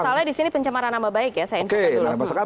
pasalnya disini pencemaran nama baik ya saya informasi dulu